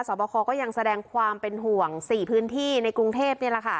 บคอก็ยังแสดงความเป็นห่วง๔พื้นที่ในกรุงเทพนี่แหละค่ะ